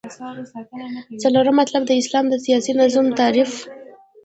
څلورم مطلب : د اسلام د سیاسی نظام تعریف